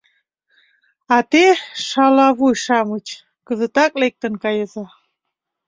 А те, шалавуй-шамыч, кызытак лектын кайыза!